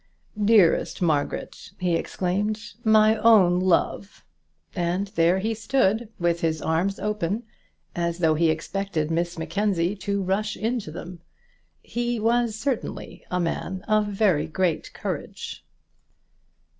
"Dearest Margaret!" he exclaimed. "My own love!" And there he stood, with his arms open, as though he expected Miss Mackenzie to rush into them. He was certainly a man of very great courage.